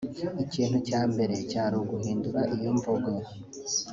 Ikintu cya mbere cyari uguhindura iyo mvugo